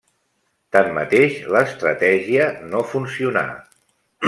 Tanmateix, l'estratègia no funcionà.